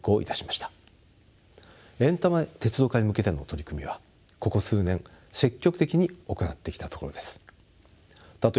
エンタメ鉄道化に向けての取り組みはここ数年積極的に行ってきたところです。